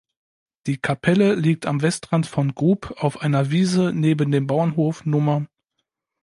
Die Kapelle liegt am Westrand von Grub auf einer Wiese neben dem Bauernhof Nr.